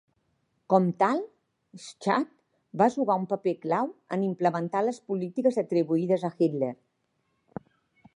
Com tal, Schacht va jugar un paper clau en implementar les polítiques atribuïdes a Hitler.